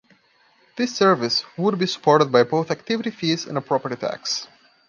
This service would be supported by both activity fees and a property tax.